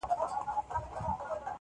چي منگول يې ټينگ پر سر د بيزو وان سول-